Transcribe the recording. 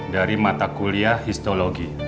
dari mata kuliah histologi